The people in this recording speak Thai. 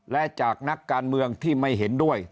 และจากนักการเมืองที่ไม่เห็นด้วย